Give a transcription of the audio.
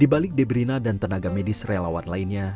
di balik deep rina dan tenaga medis rawat lainnya